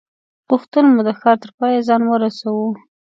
غوښتل مو د ښار تر پایه ځان ورسوو.